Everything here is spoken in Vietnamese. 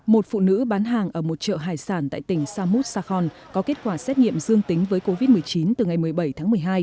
một phụ nữ bán hàng ở một chợ hải sản tại tỉnh samut sakon có kết quả xét nghiệm dương tính với covid một mươi chín từ ngày một mươi bảy tháng một mươi hai